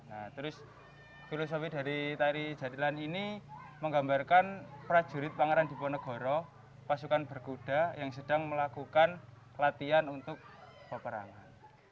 nah terus filosofi dari tari jatilan ini menggambarkan prajurit pangeran diponegoro pasukan berkuda yang sedang melakukan latihan untuk peperangan